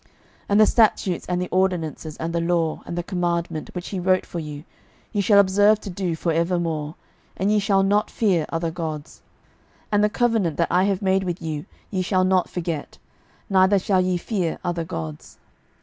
12:017:037 And the statutes, and the ordinances, and the law, and the commandment, which he wrote for you, ye shall observe to do for evermore; and ye shall not fear other gods. 12:017:038 And the covenant that I have made with you ye shall not forget; neither shall ye fear other gods.